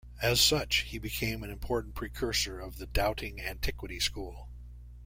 As such, he became an important precursor of the Doubting Antiquity School.